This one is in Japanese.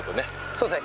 そうですね。